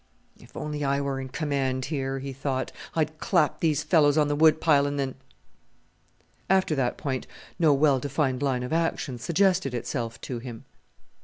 "If only I were in command here," he thought, "I'd clap these fellows on the Wood pile, and then " After that point no well defined line of action suggested itself to him.